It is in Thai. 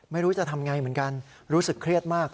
ไม่รู้จะทำไงเหมือนกันรู้สึกเครียดมาก